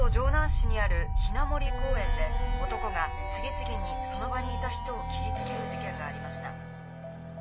市にある雛森公園で男が次々にその場にいた人を切りつける事件がありました。